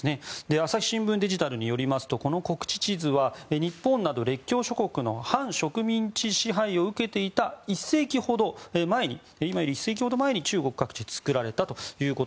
朝日新聞デジタルによりますと国恥地図は日本など列強諸国の半植民地支配を受けていた今から１世紀ほど前に中国各地で作られたと。